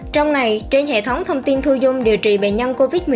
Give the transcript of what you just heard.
trong này trên hệ thống thông tin thu dung điều trị bệnh nhân covid một mươi chín